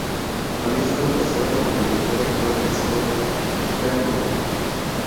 Había estado casada con el director y actor Scott Pembroke.